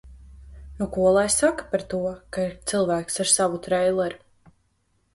Nu ko lai saka par to, ka ir cilvēks ar savu treileri.